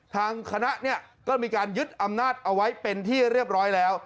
ทางคณะเนี่ยก็มีการยึดอำนาจเอาไว้เป็นที่เรียบร้อยแล้ว